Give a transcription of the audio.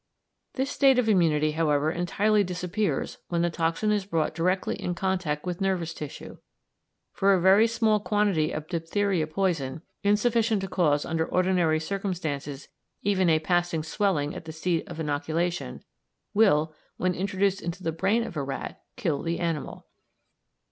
This state of immunity, however, entirely disappears when the toxin is brought directly in contact with nervous tissue, for a very small quantity of diphtheria poison insufficient to cause under ordinary circumstances even a passing swelling at the seat of inoculation will, when introduced into the brain of a rat, kill the animal.